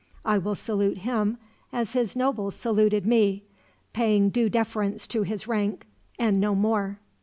I will salute him as his nobles saluted me paying due deference to his rank, and no more."